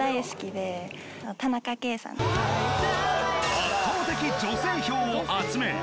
圧倒的女性票を集めあ！